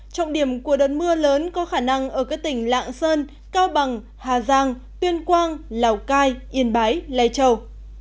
trọng điểm của đợt mưa lớn có khả năng ở các tỉnh lạng sơn cao bằng hà giang tuyên quang lào cai yên bái lai châu